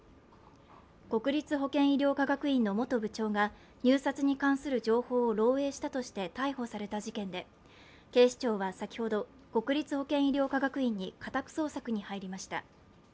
国立保健医療科学院の元部長が、入札に関する情報を漏えいしたとして逮捕された事件で警視庁は先ほど国立保健医療科学院に家宅捜索に入りました。